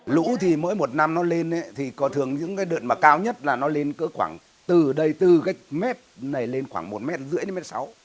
lũ thì mỗi một năm nó lên thì có thường những cái đợt mà cao nhất là nó lên cứ khoảng từ đây từ cái mét này lên khoảng một m ba mươi một m sáu